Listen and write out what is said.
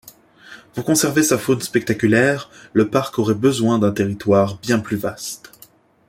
Pour conserver sa faune spectaculaire, le parc aurait besoin d'un territoire bien plus vaste.